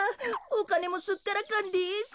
おかねもすっからかんです。